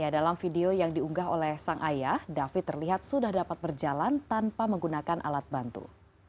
dalam video yang diunggah oleh sang ayah david terlihat sudah dapat berjalan tanpa menggunakan alat bantu